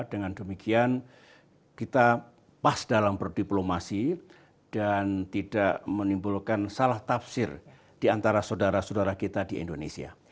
dengan demikian kita pas dalam berdiplomasi dan tidak menimbulkan salah tafsir di antara saudara saudara kita di indonesia